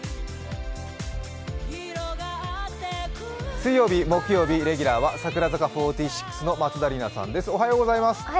水曜日、木曜日レギュラーは櫻坂４６の松田里奈さんです。